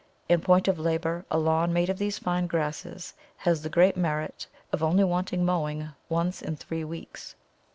In point of labour, a lawn made of these fine grasses has the great merit of only wanting mowing once in three weeks.